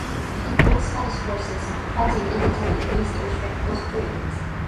He joined Spanish forces fighting in Italy against the Austrians.